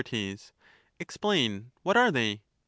Explain ; what are they